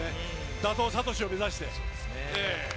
打倒サトシを目指して。